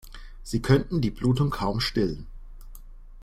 Sie könnten die Blutung kaum stillen.